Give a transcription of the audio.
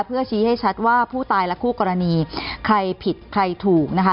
เพื่อชี้ให้ชัดว่าผู้ตายและคู่กรณีใครผิดใครถูกนะคะ